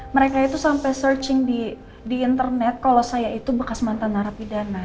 mereka itu sampai searching di internet kalau saya itu bekas mantan narapidana